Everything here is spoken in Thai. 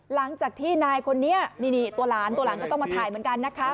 หลังจากที่นายคนนี้นี่ตัวหลานตัวหลานก็ต้องมาถ่ายเหมือนกันนะคะ